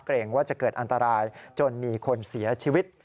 เกรงว่าจะเกิดอันตรายจนมีคนเสียชีวิต